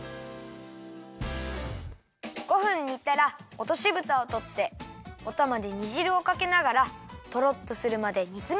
５分煮たらおとしぶたをとっておたまで煮じるをかけながらとろっとするまで煮つめるよ。